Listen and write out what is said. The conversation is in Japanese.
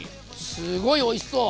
すごいおいしそう！